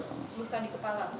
luka di kepala